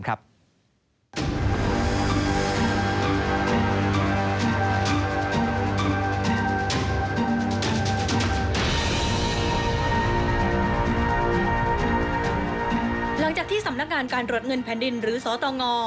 หลังจากที่สำนักงานการรวดเงินแผ่นดินหรือสตง